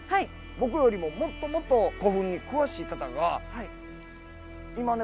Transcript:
僕よりももっともっと古墳に詳しい方が今ね